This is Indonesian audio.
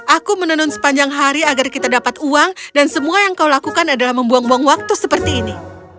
aku menenun sepanjang hari agar kita dapat uang dan semua yang kau lakukan adalah membuang buang waktu seperti ini